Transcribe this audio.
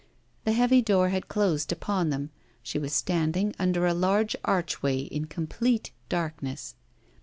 The heavy door had closed upon them, she was standing under a large archway in complete darkness.